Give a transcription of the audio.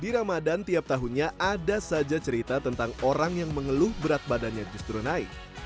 di ramadan tiap tahunnya ada saja cerita tentang orang yang mengeluh berat badannya justru naik